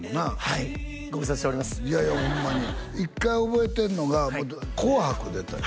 いやいやホンマに１回覚えてるのが「紅白」出たやん